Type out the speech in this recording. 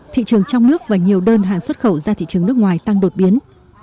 thị trường trong nước và nhiều đơn hàng xuất khẩu ra thị trường nước ngoài tăng đột biến